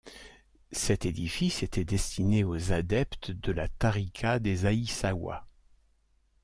Cet édifice était destiné aux adeptes de la tariqa des Aïssawa.